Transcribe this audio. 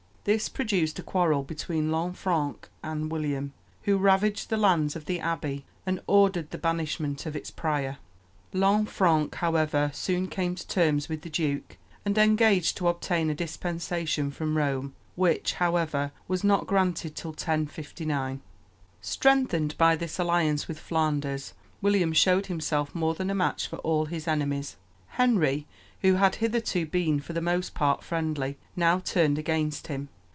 This produced a quarrel between Lanfranc and William, who ravaged the lands of the abbey and ordered the banishment of its prior. Lanfranc, however, soon came to terms with the duke, and engaged to obtain a dispensation from Rome, which, however, was not granted till 1059. Strengthened by this alliance with Flanders, William showed himself more than a match for all his enemies. Henry, who had hitherto been for the most part friendly, now turned against him.